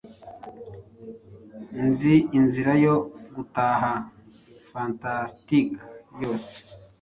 inzi inzira yo gutaha fantansike yose